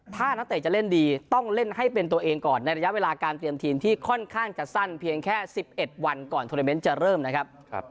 ถ้านักเตะจะเล่นดีต้องเล่นให้เป็นตัวเองก่อนในระยะเวลาการเตรียมทีมที่ค่อนข้างจะสั้นเพียงแค่๑๑วันก่อนโทรเมนต์จะเริ่มนะครับ